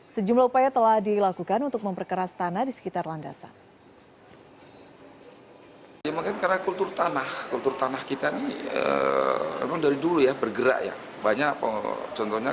sejumlah upaya telah dilakukan untuk memperkeras tanah di sekitar landasan